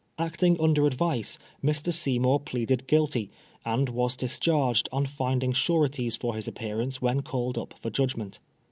Acting under advice, Mr. Seymour pleaded guilty, and was discharged on finding sureties for his appearance when called up for judgment.